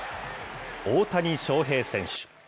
大谷翔平選手。